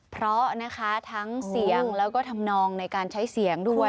เพราะนะคะทั้งเสียงแล้วก็ทำนองในการใช้เสียงด้วย